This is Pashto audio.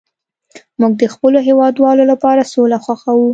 موږ د خپلو هیوادوالو لپاره سوله خوښوو